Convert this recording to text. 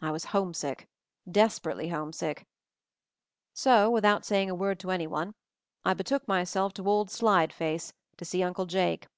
I was homesick, desperately homesick. So without saying a word to anyone I betook myself to old Slide face, to see Uncle Jake.